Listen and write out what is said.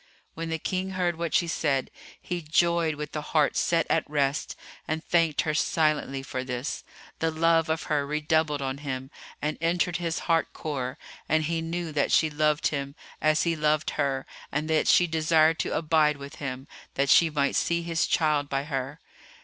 When the King heard what she said, he joyed with a heart set at rest and thanked her silently for this; the love of her redoubled on him and entered his heart core and he knew that she loved him as he loved her and that she desired to abide with him, that she might see his child by her.